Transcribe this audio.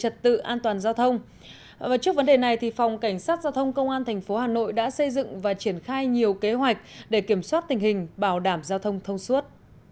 trước vấn đề này phòng cảnh sát giao thông công an tp hà nội đã xây dựng và triển khai nhiều kế hoạch để kiểm soát tình hình bảo đảm giao thông thông suốt